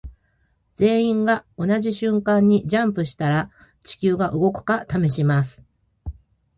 全員が同じ瞬間にジャンプしたら地球が動くか試します。